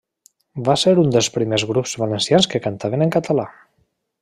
Va ser un dels primers grups valencians que cantaven en català.